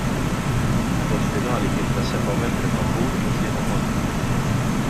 Il-vot finali kien ta' seba' membri favur u tlieta kontra.